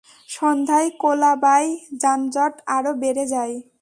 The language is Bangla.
সন্ধ্যায় কোলাবায় যানজট আরও বেড়ে যায়।